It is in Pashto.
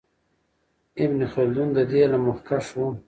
ابن خلدون د دې علم مخکښ و.